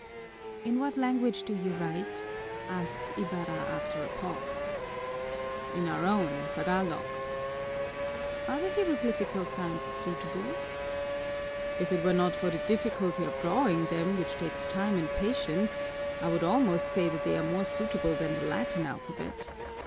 "In what language do you write?" asked Ibarra after a pause. "In our own, Tagalog." "Are the hieroglyphical signs suitable?" "If it were not for the difficulty of drawing them, which takes time and patience, I would almost say that they are more suitable than the Latin alphabet.